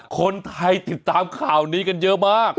คนไทยติดตามข่าวนี้กันเยอะมาก